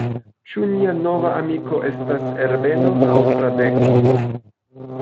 Ĉu nia nova amiko estas Herbeno aŭ Fradeko?